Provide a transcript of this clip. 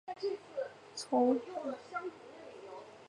从此开始刘太后十一年的垂帘听政时代。